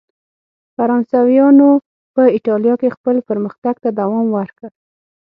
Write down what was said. فرانسویانو په اېټالیا کې خپل پرمختګ ته دوام ورکړ.